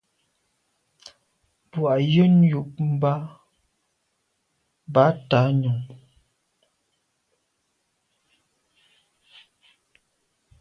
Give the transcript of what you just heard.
Bù à’ yə́n yúp mbɑ̂ bǎ tǎmnyɔ̀ŋ.